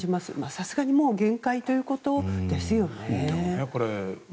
さすがにもう限界ということですよね。